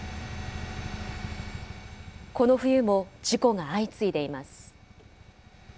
この冬も事故が相次いでいます。